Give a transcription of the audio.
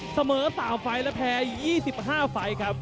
เสมอ๓ไฟแล้วแพ้๒๕ไฟครับ